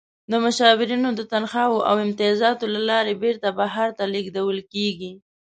د مشاورینو د تنخواوو او امتیازاتو له لارې بیرته بهر ته لیږدول کیږي.